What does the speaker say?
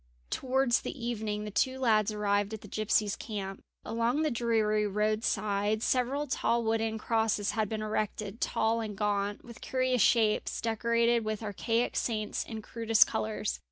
Towards the evening the two lads arrived at the gypsies' camp. Along the dreary roadside several tall wooden crosses had been erected, tall and gaunt, with curious shapes, decorated with archaic saints in crudest colours.